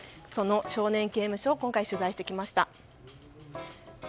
その少年刑務所を今回取材してきました。